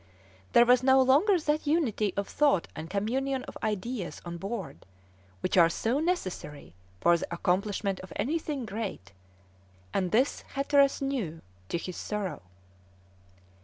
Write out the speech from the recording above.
There was no longer that unity of thought and communion of ideas on board which are so necessary for the accomplishment of anything great, and this Hatteras knew to his sorrow.